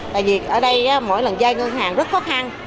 tại vì ở đây mỗi lần giao ngân hàng rất khó khăn